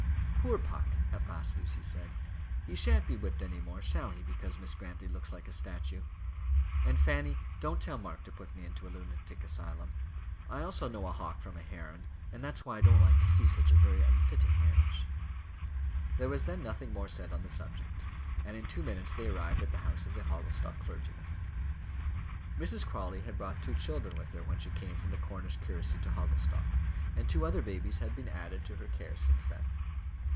"Poor Puck!" at last Lucy said. "He shan't be whipped any more, shall he, because Miss Grantly looks like a statue? And, Fanny, don't tell Mark to put me into a lunatic asylum. I also know a hawk from a heron, and that's why I don't like to see such a very unfitting marriage." There was then nothing more said on the subject, and in two minutes they arrived at the house of the Hogglestock clergyman. Mrs. Crawley had brought two children with her when she came from the Cornish curacy to Hogglestock, and two other babies had been added to her cares since then.